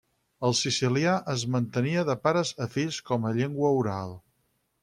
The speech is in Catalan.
El sicilià es mantenia de pares a fills com a llengua oral.